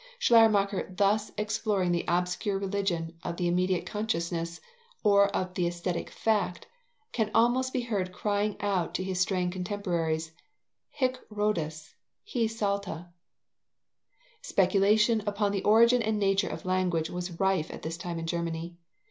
Schleiermacher, thus exploring the obscure region of the immediate consciousness, or of the aesthetic fact, can almost be heard crying out to his straying contemporaries: Hic Rhodus, hi salta! Speculation upon the origin and nature of language was rife at this time in Germany.